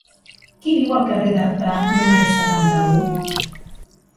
Qui viu al carrer d'Artà número setanta-u?